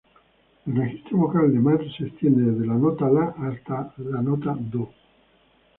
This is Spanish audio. El registro vocal de Mars se extiende desde la nota "la" hasta la "do".